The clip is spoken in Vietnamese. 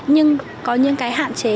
nhưng có những hạn chế